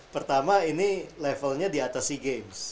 pertama ini levelnya di atas sea games